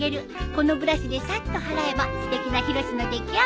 このブラシでさっと払えばすてきなヒロシの出来上がり。